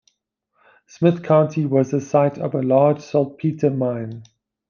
Smith County was the site of a large saltpeter mine.